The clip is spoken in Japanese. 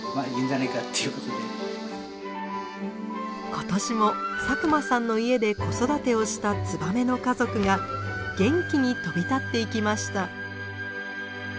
今年も佐久間さんの家で子育てをしたツバメの家族が元気に飛び立っていきました。